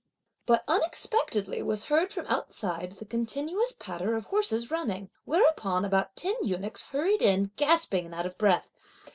But unexpectedly was heard from outside the continuous patter of horses running, whereupon about ten eunuchs hurried in gasping and out of breath.